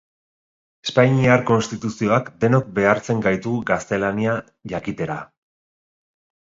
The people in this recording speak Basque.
Espainiar Konstituzioak denok behartzen gaitu gaztelania jakitera.